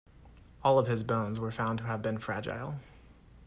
All of his bones were found to have been fragile.